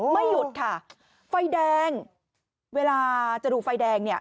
ไม่หยุดค่ะไฟแดงเวลาจะดูไฟแดงเนี่ย